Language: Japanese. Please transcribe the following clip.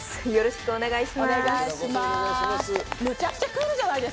よろしくお願いします。